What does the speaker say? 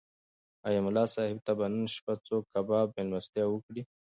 ایا ملا صاحب ته به نن شپه څوک کباب مېلمستیا وکړي؟